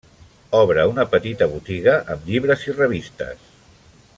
Obre una petita botiga amb llibres i revistes.